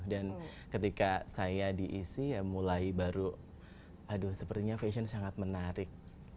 dan ketika saya diisi ya mulai baru aduh sepertinya fashion sangat menarik